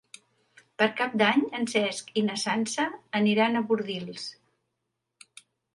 Per Cap d'Any en Cesc i na Sança aniran a Bordils.